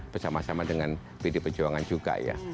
bersama sama dengan pdi pejuangan juga ya